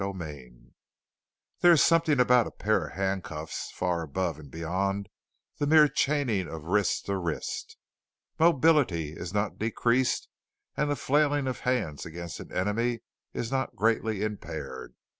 CHAPTER 10 There is something about a pair of handcuffs far above and beyond the mere chaining of wrist to wrist. Mobility is not decreased, and the flailing of hands against an enemy is not greatly impaired.